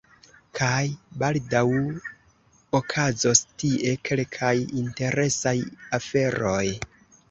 Kaj baldaŭ okazos tie kelkaj interesaj aferoj.